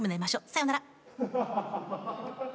さよなら。